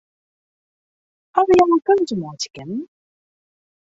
Hawwe jo in keuze meitsje kinnen?